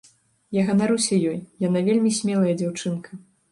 Я ганаруся ёй, яна вельмі смелая дзяўчынка.